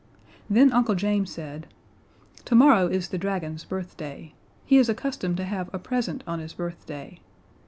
Then Uncle James said: "Tomorrow is the dragon's birthday. He is accustomed to have a present on his birthday.